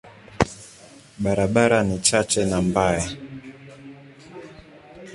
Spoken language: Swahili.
Barabara ni chache na mbaya.